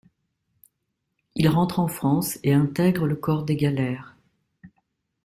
Il rentre en France et intègre le corps des galères.